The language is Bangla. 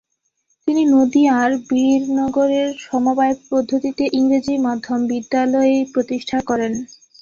তিনি নদিয়ার বীরনগরের সমবায় পদ্ধতিতে ইংরেজি মাধ্যম বিদ্যালয় প্রতিষ্ঠা করেন।